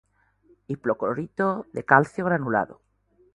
Hipoclorito de calcio granulado.